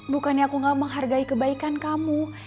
bukannya aku gak menghargai kebaikan kamu